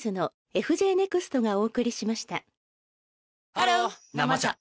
ハロー「生茶」